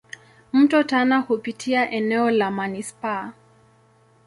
Mto Tana hupitia eneo la manispaa.